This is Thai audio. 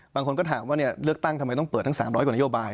บางคนก็ถามว่าเลือกตั้งทำไมต้องเปิดทั้ง๓๐๐กว่านโยบาย